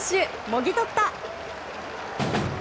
もぎ取った！